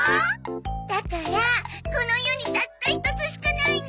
だからこの世にたった一つしかないの。